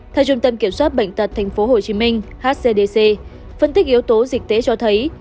thành trung tâm kiểm soát bệnh tật tp hcm hcdc phân tích yếu tố dịch tế cho thấy